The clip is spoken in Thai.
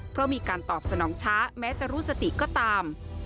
เพราะมีการตอบสนองช้าแม้จะรู้สติก็ตาม